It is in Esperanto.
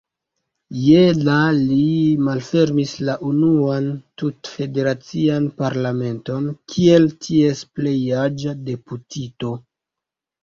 Je la li malfermis la unuan tut-federacian parlamenton kiel ties plej-aĝa deputito.